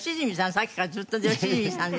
さっきからずっと良純さん。